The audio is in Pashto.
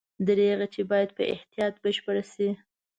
دریغه چې باید په احتیاط بشپړ شي.